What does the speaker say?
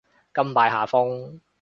甘拜下風